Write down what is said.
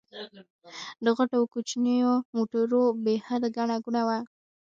د غټو او کوچنيو موټرو بې حده ګڼه ګوڼه وه.